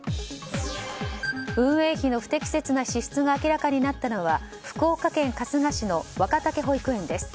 運営費の不適切な支出が明らかになったのは福岡県春日市の若竹保育園です。